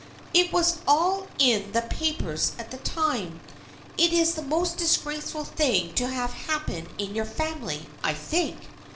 It was all in the papers at the time. It is the most disgraceful thing to have happen in your family, I think.